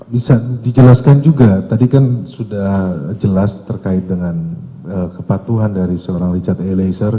bisa dijelaskan juga tadi kan sudah jelas terkait dengan kepatuhan dari seorang richard eliezer